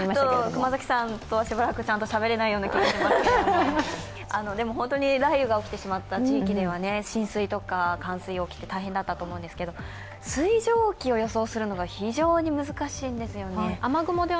熊崎さんとはしばらくちゃんとしゃべれないような感じ、しますがでも、本当に雷雨が起きてしまった地域では浸水や冠水が起きて大変だったと思うんですけど水蒸気を予想するのが非常に難しいんですよね。